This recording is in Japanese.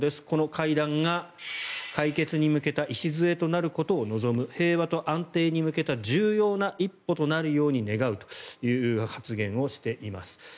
この会談が解決に向けた礎になることを望む平和と安定に向けた重要な一歩になるように願うという発言をしています。